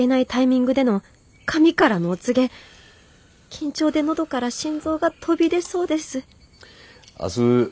緊張で喉から心臓が飛び出そうです明日